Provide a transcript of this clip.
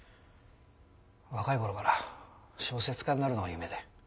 若い頃から小説家になるのが夢で。